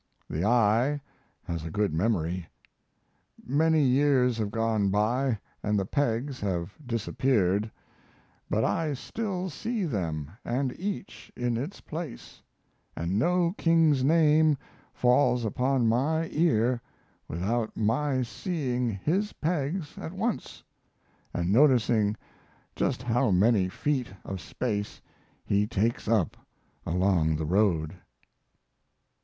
The eye has a good memory. Many years have gone by and the pegs have disappeared, but I still see them and each in its place; and no king's name falls upon my ear without my seeing his pegs at once, and noticing just how many feet of space he takes up along the road.